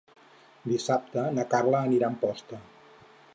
Dissabte na Carla anirà a Amposta.